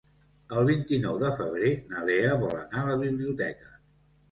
El vint-i-nou de febrer na Lea vol anar a la biblioteca.